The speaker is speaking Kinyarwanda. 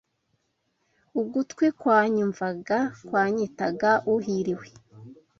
Ugutwi kwanyumvaga kwanyitaga uhiriwe,